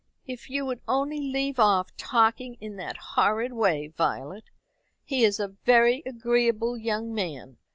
"If you would only leave off talking in that horrid way, Violet. He is a very agreeable young man.